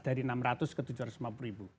dari enam ratus ke tujuh ratus lima puluh ribu